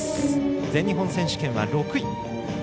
全日本選手権は６位。